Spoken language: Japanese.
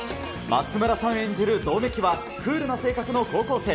松村さん演じる百目鬼は、クールな性格の高校生。